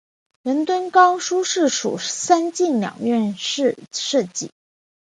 仁敦冈书室属三进两院式设计。